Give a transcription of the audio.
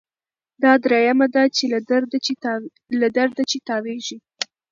دا دریمه ده له درده چي تاویږي